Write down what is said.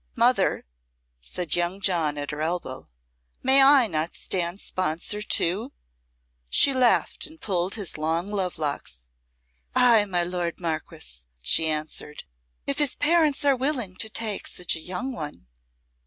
"Mother," said young John at her elbow, "may I not stand sponsor, too?" She laughed and pulled his long love locks. "Ay, my lord Marquess," she answered, "if his parents are willing to take such a young one."